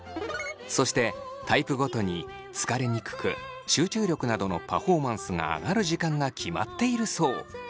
そしてタイプごとに疲れにくく集中力などのパフォーマンスが上がる時間が決まっているそう。